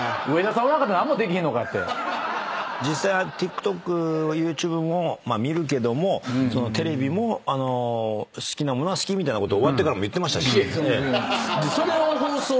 実際ＴｉｋＴｏｋＹｏｕＴｕｂｅも見るけどもテレビも好きなものは好きみたいなこと終わってからも言ってましたし。